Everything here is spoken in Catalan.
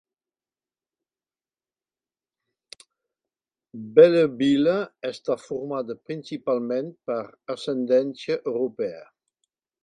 Belleville està formada principalment per ascendència europea.